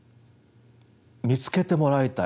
見つけてもらいたい。